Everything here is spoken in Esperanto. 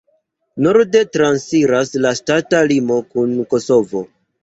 Norde transiras la ŝtata limo kun Kosovo.